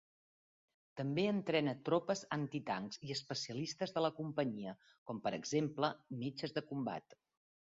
També entrena tropes antitancs i especialistes de la companyia, com per exemple, metges de combat.